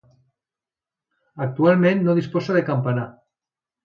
Actualment no disposa de campanar.